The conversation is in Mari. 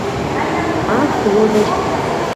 — Ах, лодырь!